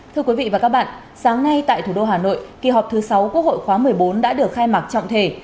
thưa quý vị và các bạn sáng nay tại thủ đô hà nội kỳ họp thứ sáu quốc hội khóa một mươi bốn đã được khai mạc trọng thể